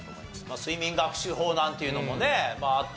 睡眠学習法なんていうのもねまああったり。